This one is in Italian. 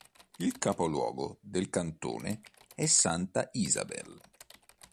Il capoluogo del cantone è Santa Isabel.